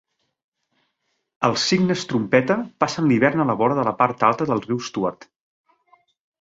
Els cignes trompeta passen l'hivern a la vora de la part alta del riu Stuart.